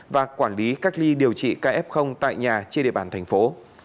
và quản lý cách ly điều trị ca f tại nhà trên địa bàn thành phố